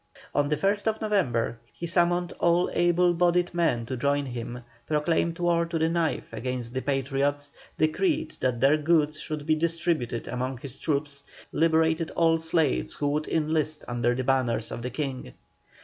On the 1st November he summoned all able bodied men to join him, proclaimed war to the knife against the Patriots, decreed that their goods should be distributed among his troops, and, finally, liberated all slaves who would enlist under the banners of the King.